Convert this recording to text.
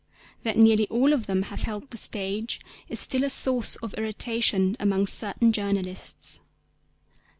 That nearly all of them have held the stage is still a source of irritation among certain journalists.